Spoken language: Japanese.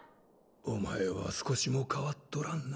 お前は少しも変わっとらんな。